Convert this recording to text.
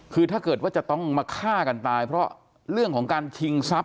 คือถ้าเกิดว่าจะต้องมาฆ่ากันตายเพราะเรื่องของการชิงทรัพย